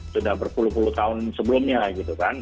sudah berpuluh puluh tahun sebelumnya gitu kan